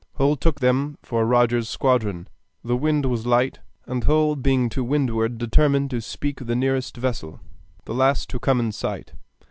Hull took them for Rodgers's squadron. The wind was light, and Hull being to windward determined to speak the nearest vessel, the last to come in sight.